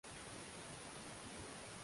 halafu alipaa mbinguni mbele ya macho yao